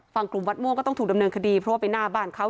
ฝั่งกลุ่มวัดม่วงก็ต้องถูกดำเนินคดีเพราะว่าไปหน้าบ้านเขา